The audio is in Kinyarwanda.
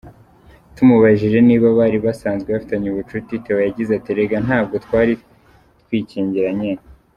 Tumubajije niba bari basanzwe bafitanye ubucuti, Theo yagize ati: “Erega ntabwo twari twikingiranye.